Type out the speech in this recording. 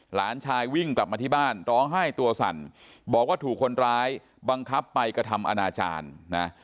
หลานชายวิ่งกลับมาที่บ้านร้องไห้ตัวสั่นบอกว่าถูกคนร้ายบังคับไปกระทำอนาจารย์นะ